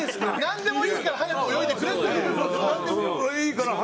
なんでもいいから速く泳いでくれっていうね。